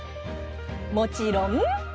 もちろん！